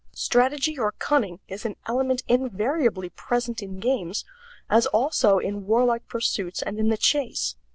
Strategy or cunning is an element invariably present in games, as also in warlike pursuits and in the chase.